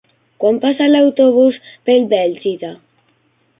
Quan passa l'autobús per Bèlgida?